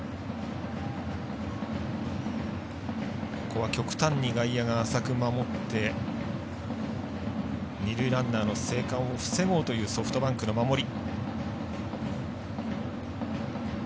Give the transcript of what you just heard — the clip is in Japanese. ここは極端に外野が浅く守って二塁ランナーの生還を防ごうというソフトバンクの守り。